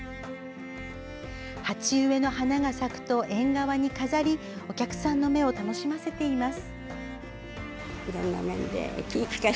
鉢植えの花が咲くと縁側に飾りお客さんの目を楽しませています。